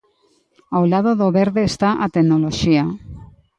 Ao lado do verde está a tecnoloxía.